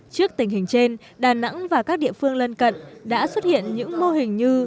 trước tình hình trên đà nẵng và các địa phương lân cận đã xuất hiện những mô hình như